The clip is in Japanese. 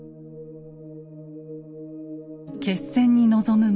決戦に臨む前